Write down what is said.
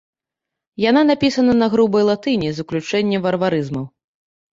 Яна напісана на грубай латыні з уключэннем варварызмаў.